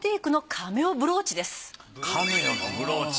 カメオのブローチ。